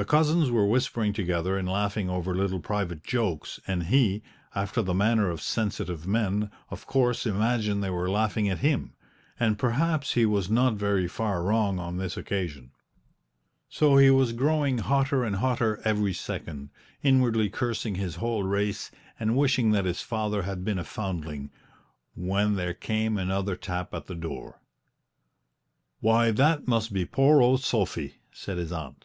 The cousins were whispering together and laughing over little private jokes, and he, after the manner of sensitive men, of course imagined they were laughing at him and perhaps he was not very far wrong on this occasion. So he was growing hotter and hotter every second, inwardly cursing his whole race and wishing that his father had been a foundling when there came another tap at the door. "Why, that must be poor old Sophy!" said his aunt.